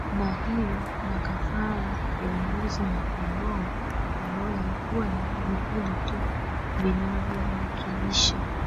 na hivyo makafara ya Mbuzi na Kondoo ambayo yalikuwa ni vivuli tu vinavyomwakilisha